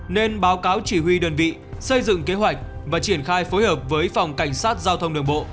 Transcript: nên báo cáo chỉ huy đơn vị xây dựng kế hoạch và triển khai phối hợp với phòng cảnh sát giao thông đường bộ